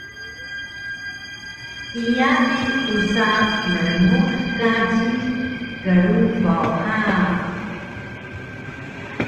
Iya bi usa mrmux kaji krubaw ha